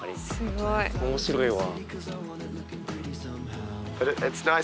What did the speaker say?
面白いわ。